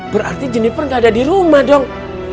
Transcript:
berarti jennifer nggak ada di rumah dong